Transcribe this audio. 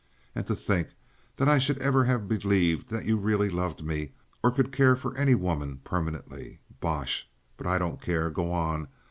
And to think that I should ever have believed that you really loved me, or could care for any woman permanently. Bosh! But I don't care. Go on!